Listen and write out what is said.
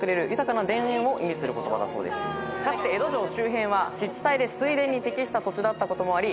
かつて江戸城周辺は湿地帯で水田に適した土地だったこともあり。